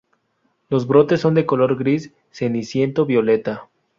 Los brotes son de color gris ceniciento-violeta.